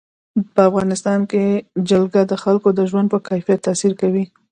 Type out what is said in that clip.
په افغانستان کې جلګه د خلکو د ژوند په کیفیت تاثیر کوي.